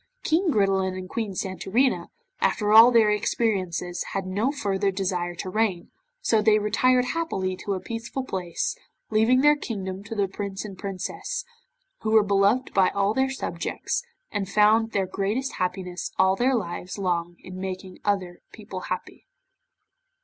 King Gridelin and Queen Santorina, after all their experiences had no further desire to reign, so they retired happily to a peaceful place, leaving their kingdom to the Prince and Princess, who were beloved by all their subjects, and found their greatest happiness all their lives long in making other people happy.